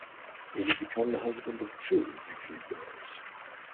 He would become the husband of two Ziegfeld girls.